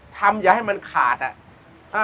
ทำอย่าให้มันขาดอะ